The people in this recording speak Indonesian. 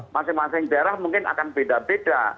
masing masing daerah mungkin akan beda beda